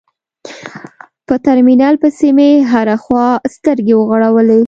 په ترمينل پسې مې هره خوا سترګې وغړولې.